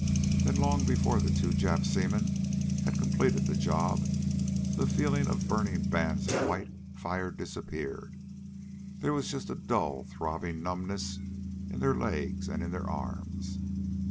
Then long before the two Jap seamen had completed the job the feeling of burning bands of white fire disappeared. There was just a dull, throbbing numbness in their legs and in their arms.